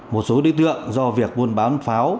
một số đối tượng do việc buôn bán pháo